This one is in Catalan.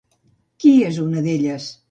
Qui és una d'elles?